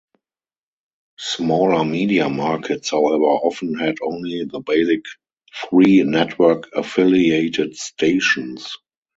Smaller media markets, however, often had only the basic three network-affiliated stations.